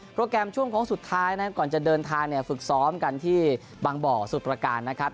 โปรแกรมช่วงของสุดท้ายนะก่อนจะเดินทางแล้วฝึกซ้อมกันที่บางบ่อสุตราการนะครับ